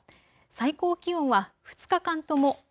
最高気温は２日間とも